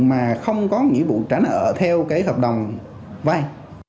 mà không có nghĩa vụ trả nợ theo cái hợp đồng vay